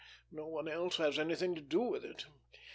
No one else has anything to do with it.